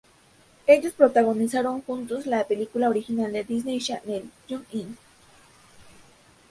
Ellos protagonizaron juntos la película original de Disney channel Jump In!